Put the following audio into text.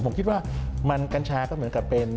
ผมคิดว่ามันกัญชาก็เหมือนกับเป็น